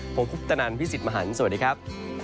ผมคุปตนันพี่สิทธิ์มหันฯสวัสดีครับ